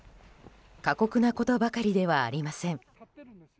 過酷なことばかりではありません。